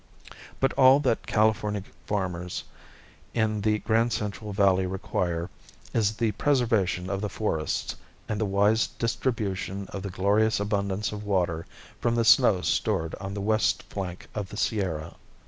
But all that California farmers in the grand central valley require is the preservation of the forests and the wise distribution of the glorious abundance of water from the snow stored on the west flank of the Sierra.